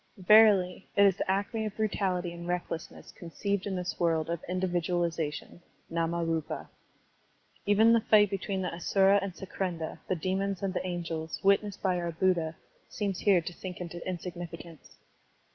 Verily, it is the acme of brutality and recklessness conceived in this world of indi vidualization (ndmariipa) . Even the fight between the Astira and Sakrendra, the demons and the angels, witnessed by our Buddha, seems here to sink into insignificance.